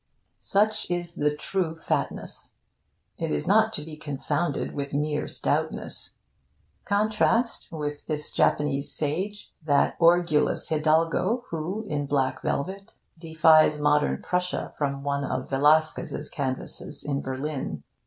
Such is the true fatness. It is not to be confounded with mere stoutness. Contrast with this Japanese sage that orgulous hidalgo who, in black velvet, defies modern Prussia from one of Velasquez's canvases in Berlin.